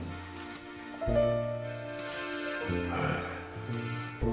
へえ。